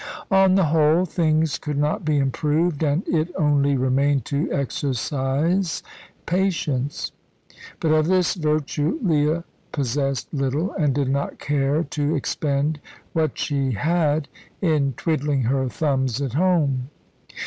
On the whole, things could not be improved, and it only remained to exercise patience. But of this virtue Leah possessed little, and did not care to expend what she had in twiddling her thumbs at home.